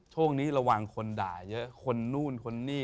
ช่วงนี้ระวังคนด่าเยอะคนนู่นคนนี่